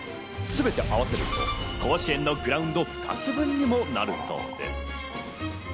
すべて合わせると甲子園のグラウンド２つ分にもなるそうです。